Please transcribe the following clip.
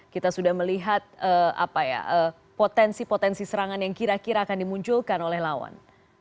kita sudah melihat potensi potensi serangan yang kira kira akan dimunculkan oleh lawan